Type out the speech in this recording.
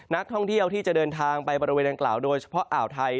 นักท่องเที่ยวที่จะเดินทางไปบริเวณดังกล่าวโดยเฉพาะอ่าวไทย